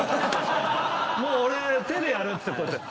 もう俺手でやるって。